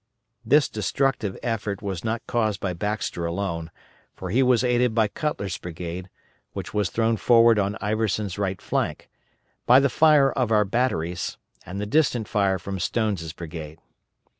This destructive effect was not caused by Baxter alone, for he was aided by Cutler's brigade, which was thrown forward on Iverson's right flank, by the fire of our batteries, and the distant fire from Stone's brigade.